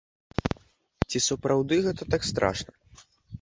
Ці сапраўды гэта так страшна?